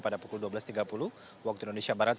pada pukul dua belas tiga puluh waktu indonesia barat